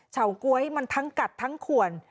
เฉก๊วยมันทั้งกัดทั้งขวน